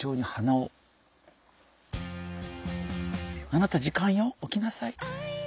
「あなた時間よ起きなさい！」。